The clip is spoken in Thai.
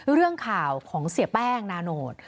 เรื่องข่าวของเสียแป้งนาโนต